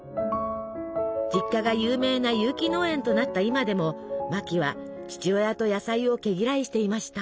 実家が有名な有機農園となった今でもマキは父親と野菜を毛嫌いしていました。